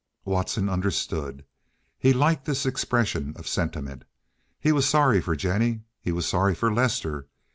Watson understood. He liked this expression of sentiment. He was sorry for Jennie. He was sorry for Lester.